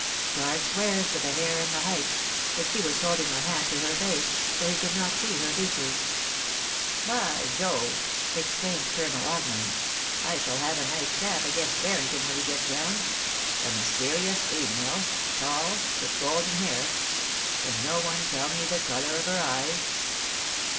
Clark swears to the hdr and the height, but she was holding her hand to her face, so that he could not see her features.' THE DINNER TO GENERAL COMPTON. 373 ' By Jove I' excUimed Colonel Augmering, ' I shall have a nice chaff against Barrington when he gets round. A mys terious female — tall, with golden hair. Can no one tell me the colour of her eyes